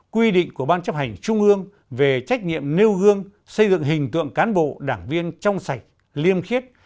quy định của ban chấp hành trung ương về trách nhiệm nêu gương xây dựng hình tượng cán bộ đảng viên trong sạch liêm khiết